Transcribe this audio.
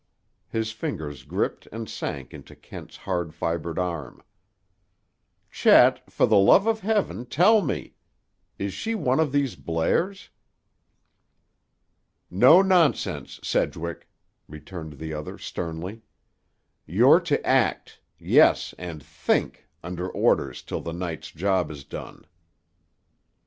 His fingers gripped and sank into Kent's hard fibered arm. "Chet, for the love of heaven, tell me! Is she one of these Blairs?" "No nonsense, Sedgwick," returned the other sternly. "You're to act,—yes, and think—under orders till the night's job is done."